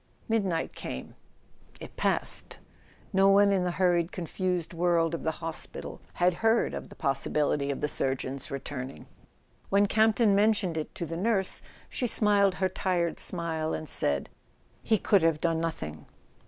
Midnight came. It passed. No one in the hurried con¬ fused world of the hospital had heard of the possibility of the surgeon's returning. When Campton mentioned it to the nurse she smiled her tired smile, and said: "He could have done nothing."